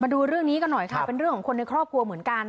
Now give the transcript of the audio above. ดูเรื่องนี้กันหน่อยค่ะเป็นเรื่องของคนในครอบครัวเหมือนกัน